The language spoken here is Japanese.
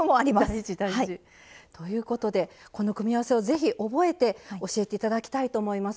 大事大事！ということでこの組み合わせを是非覚えて教えて頂きたいと思います。